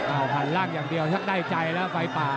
อ้าวหันล่างอย่างเดียวชักได้ใจแล้วไฟป่า